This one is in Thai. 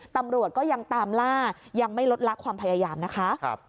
ตำรวจก็ยังตามล่ายังไม่ลดละความพยายามนะคะ